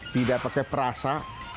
tidak pakai perasa